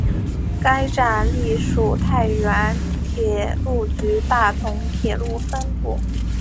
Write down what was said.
该站隶属太原铁路局大同铁路分局。